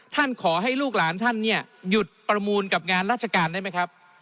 ขอให้ลูกหลานท่านเนี่ยหยุดประมูลกับงานราชการได้ไหมครับ